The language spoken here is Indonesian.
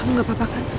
kamu gak apa apa kan